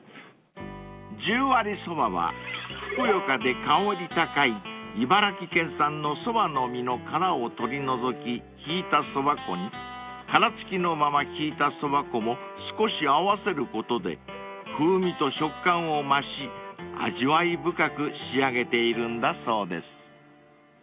［十割蕎麦はふくよかで香り高い茨城県産のソバの実の殻を取り除きひいたそば粉に殻付きのままひいたそば粉も少し合わせることで風味と食感を増し味わい深く仕上げているんだそうです］